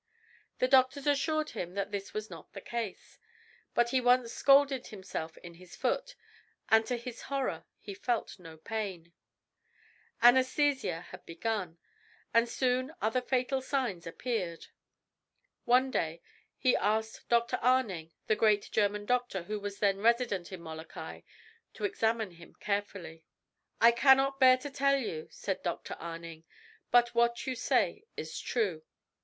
The doctors assured him that this was not the case. But he once scalded himself in his foot, and to his horror he felt no pain. Anaesthesia had begun, and soon other fatal signs appeared. One day he asked Dr. Arning, the great German doctor who was then resident in Molokai, to examine him carefully. "I cannot bear to tell you," said Dr. Arning, "but what you say is true."